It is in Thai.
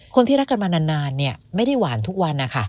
คนที่รักกันมานานไม่ได้หวานทุกวัน